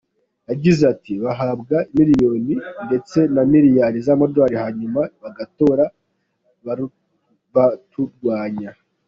Yagize ati “Bahabwa miliyoni ndetse na miliyari z’amadolari hanyuma bagatora baturwanya.